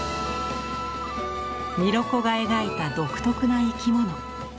ミロコが描いた独特な「いきもの」。